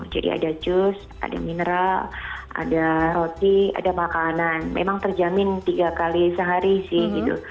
jadi ada jus ada mineral ada roti ada makanan memang terjamin tiga kali sehari sih gitu